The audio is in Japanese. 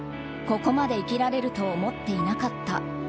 ここまで生きられると思っていなかった。